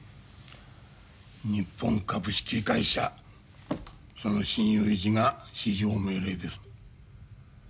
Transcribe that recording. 日本株式会社その信用維持が至上命令です。